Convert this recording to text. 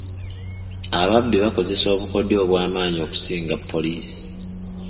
Ababbi bakozesa obukodyo obw'amaanyi okusinga poliisi.